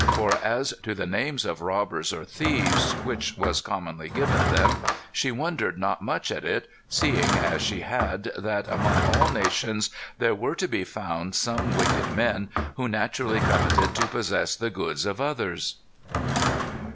For as to the names of robbers or thieves, which was commonly given them, she wondered not much at it, seeing, as she said, that among all nations there were to be found some wicked men who naturally coveted to possess the goods of others."